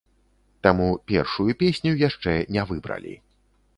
Таму першую песню яшчэ не выбралі.